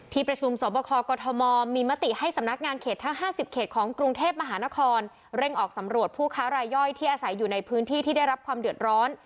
ประชุมสอบคอกรทมมีมติให้สำนักงานเขตทั้ง๕๐เขตของกรุงเทพมหานครเร่งออกสำรวจผู้ค้ารายย่อยที่อาศัยอยู่ในพื้นที่ที่ได้รับความเดือดร้อน